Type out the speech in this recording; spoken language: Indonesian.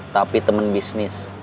tapi temen bisnis